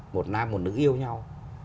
một nam một nữ yêu nhau